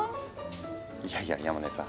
いやいや山根さん